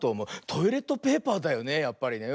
トイレットペーパーだよねやっぱりね。